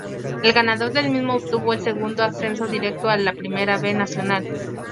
El ganador del mismo obtuvo el segundo ascenso directo a la Primera B Nacional.